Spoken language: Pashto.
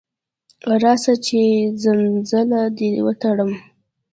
راځه چې څنځله دې وتړم.